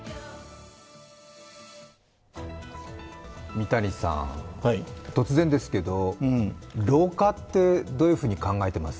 三谷さん、突然ですけれども老化ってどういうふうに考えてます？